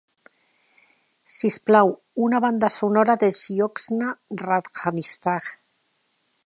Sisplau, una banda sonora de Jyotsna Radhakrishnan